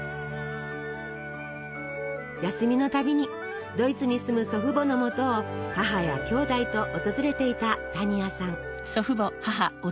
休みのたびにドイツに住む祖父母のもとを母やきょうだいと訪れていた多仁亜さん。